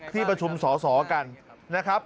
ที่ประชุมสอสอกันนะครับ